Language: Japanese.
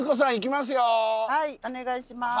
はいお願いします。